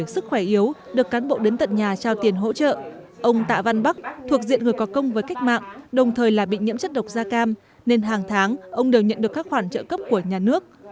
ông tạ văn bắc đã đồng loạt thực hiện chi trả tiền hỗ trợ cho bốn nhóm đối tượng là người có công với cách mạng đồng thời là bị nhiễm chất độc da cam nên hàng tháng ông đều nhận được các khoản trợ cấp của nhà nước